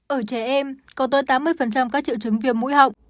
ở trẻ em có tới tám mươi các triệu chứng viêm mũi họng